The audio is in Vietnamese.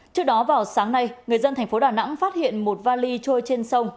trước đó vào sáng nay người dân thành phố đà nẵng phát hiện một vali trôi trên sông